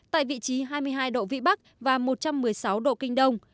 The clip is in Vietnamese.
tại vị trí hai mươi hai độ vĩ bắc và một trăm một mươi sáu độ kinh đông